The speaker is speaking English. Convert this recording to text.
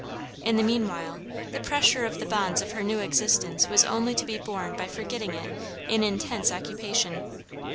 In the meanwhile, the pressure of the bonds of her new existence was only to be borne by forgetting it in intense occupation.